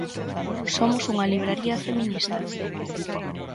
Somos unha libraría feminista.